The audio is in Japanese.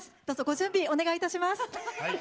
どうぞご準備お願いいたします。